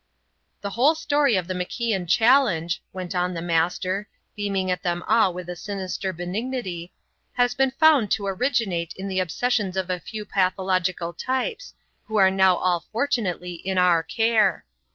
"The whole story of the MacIan challenge," went on the Master, beaming at them all with a sinister benignity, "has been found to originate in the obsessions of a few pathological types, who are now all fortunately in our care.